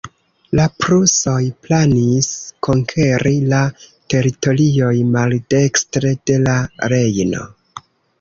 La prusoj planis konkeri la teritorioj maldekstre de la Rejno.